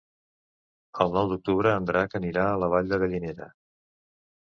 El nou d'octubre en Drac anirà a la Vall de Gallinera.